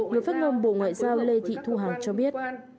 người phát ngôn bộ ngoại giao lê thị thu hằng cho biết